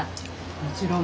もちろん。